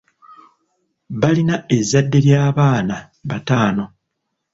Balina ezzadde ly'abaana bataano